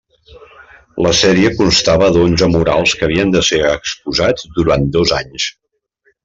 La sèrie constava d'onze murals que havien de ser exposats durant dos anys.